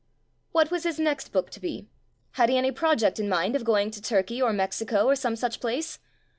What was his next book to be? Had he any project in mind of going to Turkey, or Mexico, or some such place?